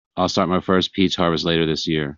I'll start my first peach harvest later this year.